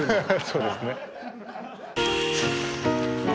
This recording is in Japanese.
そうですね。